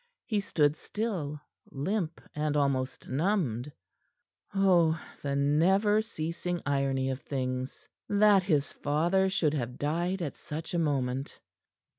He stood still, limp and almost numbed. Oh, the never ceasing irony of things! That his father should have died at such a moment.